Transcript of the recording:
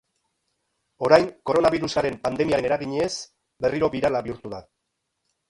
Orain, koronabirusaren pandemiakren eraginez, berriro birala bihurtu da.